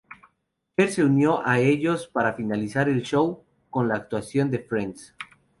Cher se unió a ellos para finalizar el show con la actuación de "Friends".